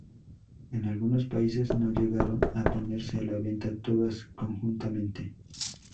En algunos países no llegaron a ponerse a la venta todas conjuntamente.